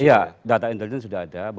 iya data intelijen sudah ada